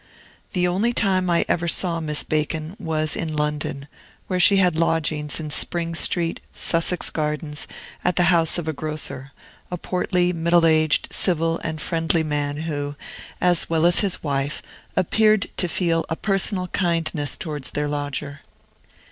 The only time I ever saw Miss Bacon was in London, where she had lodgings in Spring Street, Sussex Gardens, at the house of a grocer, a portly, middle aged, civil, and friendly man, who, as well as his wife, appeared to feel a personal kindness towards their lodger.